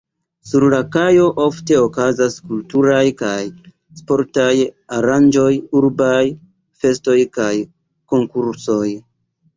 Sur la kajo ofte okazas kulturaj kaj sportaj aranĝoj, urbaj festoj kaj konkursoj.